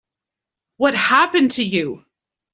What happened to you?